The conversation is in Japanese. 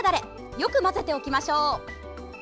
よく混ぜておきましょう。